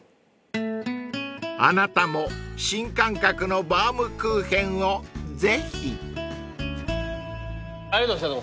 ［あなたも新感覚のバウムクーヘンをぜひ］ありがとうございました。